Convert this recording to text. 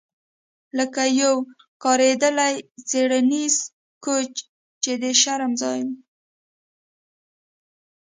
لکه یو کاریدلی څیړنیز کوچ چې د شرم ځای وي